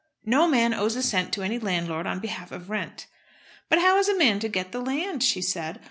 "No man owes a cent to any landlord on behalf of rent." "But how is a man to get the land?" she said.